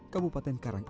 kabupaten karang asem